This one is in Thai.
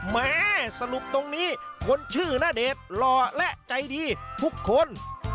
แม่สนุกตรงนี้คนชื่อณเดชน์หล่อและใจดีทุกคน